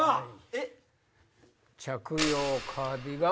えっ？